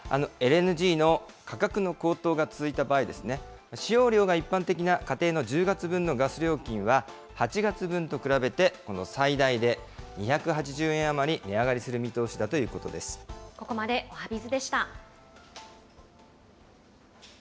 ＬＮＧの価格の高騰が続いた場合、使用量が一般的な家庭の１０月分のガス料金は、８月分と比べて最大で２８０円余り値上がりする見通しだというこここまでおはＢｉｚでした。